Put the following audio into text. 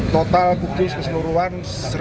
total kukis keseluruhan satu tiga ratus sembilan puluh lima